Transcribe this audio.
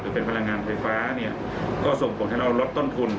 เป็นพลังงานไฟฟ้าเนี่ยก็ส่งผลให้เราลดต้นทุน